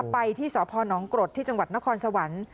ไปที่สพนกรดที่จังหวัดนครสวรรค์